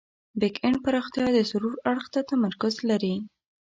بیک اینډ پراختیا د سرور اړخ ته تمرکز لري.